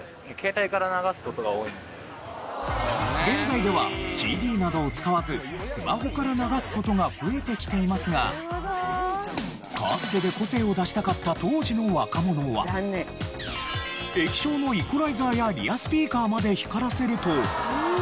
現在ではＣＤなどを使わずスマホから流す事が増えてきていますがカーステで個性を出したかった当時の若者は液晶のイコライザーやリアスピーカーまで光らせると。